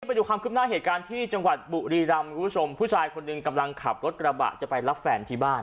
ไปดูความคืบหน้าเหตุการณ์ที่จังหวัดบุรีรำคุณผู้ชมผู้ชายคนหนึ่งกำลังขับรถกระบะจะไปรับแฟนที่บ้าน